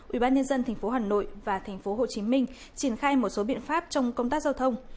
ủy ban nhân dân tp hà nội và tp hồ chí minh triển khai một số biện pháp trong công tác giao thông